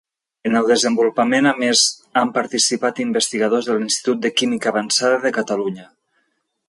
En el desenvolupament a més han participat investigadors de l'Institut de Química Avançada de Catalunya.